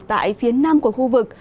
tại phía nam của khu vực